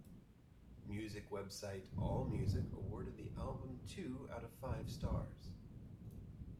Music website AllMusic awarded the album two out of five stars.